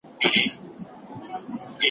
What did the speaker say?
خوشبيني ولرئ.